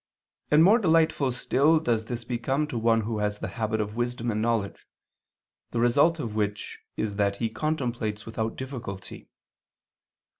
And more delightful still does this become to one who has the habit of wisdom and knowledge, the result of which is that he contemplates without difficulty.